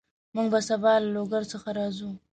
موږ به سبا له لوګر څخه راځو